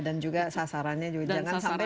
dan juga sasarannya juga jangan sampai